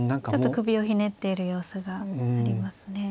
ちょっと首をひねっている様子がありますね。